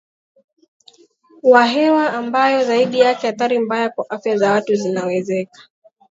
wa hewa ambayo zaidi yake athari mbaya kwa afya za watu zinawezeka